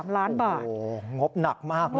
๖๔๓ล้านบาทโอ้โฮงบหนักมากนะครับ